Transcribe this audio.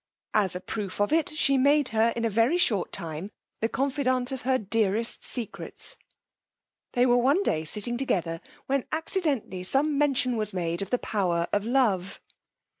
As a proof of it, she made her in a very short time the confident of her dearest secrets: they were one day sitting together, when accidentally some mention was made of the power of love.